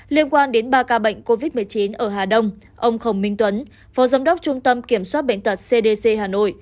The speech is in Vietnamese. liên quan đến ba ca bệnh covid một mươi chín ở hà đông ông khổng minh tuấn phó giám đốc trung tâm kiểm soát bệnh tật cdc hà nội